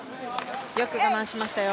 よく我慢しましたよ。